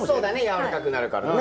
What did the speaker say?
柔らかくなるからね。